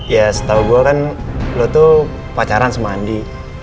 ya setau gua kan lo tuh pacaran sama andi